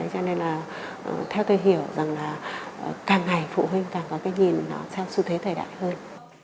cho nên là theo tôi hiểu rằng là càng ngày phụ huynh càng có cái nhìn nó sang xu thế thời đại hơn